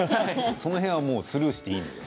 その辺はもうスルーしていいのよ。